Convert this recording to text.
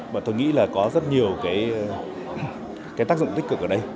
và tôi nghĩ là có rất nhiều cái tác dụng tích cực